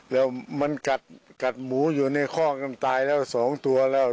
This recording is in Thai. แล้วมันกัดหมูอยู่ในคอกกันตายแล้ว๒ตัวแล้ว